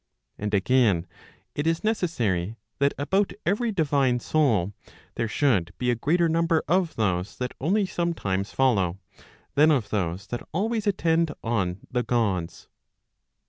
And again, it is necessary that about every divine soul, there should be a greater number of those that only sometimes follow, than of those that always attend on the Gods.